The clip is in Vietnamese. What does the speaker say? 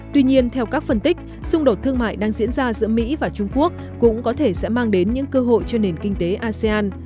tuy nhiên theo các phân tích xung đột thương mại đang diễn ra giữa mỹ và trung quốc cũng có thể sẽ mang đến những cơ hội cho nền kinh tế asean